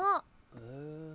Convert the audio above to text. へえ。